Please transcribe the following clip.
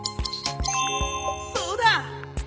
そうだ！